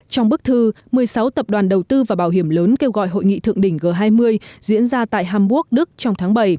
trong bức thư một mươi sáu tập đoàn đầu tư và bảo hiểm lớn kêu gọi hội nghị thượng đỉnh g hai mươi diễn ra tại hamburg đức trong tháng bảy